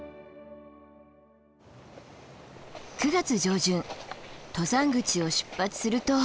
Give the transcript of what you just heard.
９月上旬登山口を出発すると。